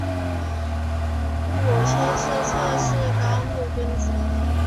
母亲是侧室高木敦子。